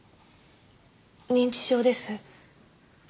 認知症です。